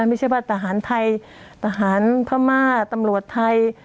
ไม่ใช่ว่าทหารไทยทหารพม่าตำรวจไทย